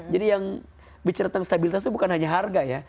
jadi yang bicara tentang stabilitas itu bukan hanya harga ya